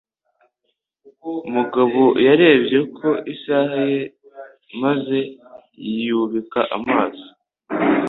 Mugabo yarebye ku isaha ye, maze yubika amaso.